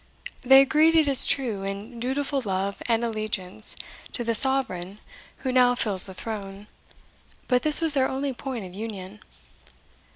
They agreed, it is true, in dutiful love and allegiance to the sovereign who now fills* the throne; but this was their only point of union.